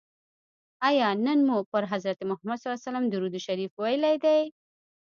آیا نن مو پر حضرت محمد صلی الله علیه وسلم درود شریف ویلي دی؟